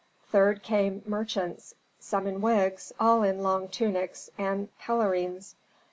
Third came merchants, some in wigs, all in long tunics and pelerines.